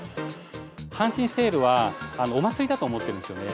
阪神セールは、お祭りだと思ってるんですよね。